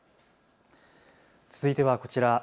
続いてはこちら。